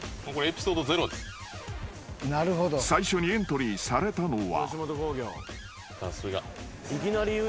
［最初にエントリーされたのは］